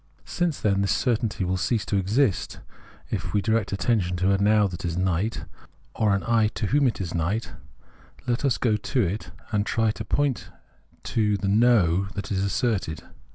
Since, then, this certainty will cease to exist if m^ direct its attention to a Now that is night or an I to whoi it is night, let us go to it and try to point to the No that is asserted.